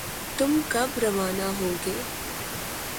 تم کب روانہ ہوگے؟